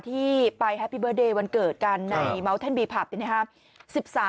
ที่ไปแฮปปี้เบิร์ตเดย์วันเกิดกันในเมาเท่นบีผับนี่นะครับ